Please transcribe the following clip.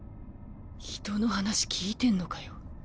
人の話聞いてんのかよ。